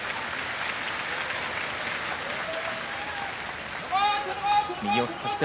拍手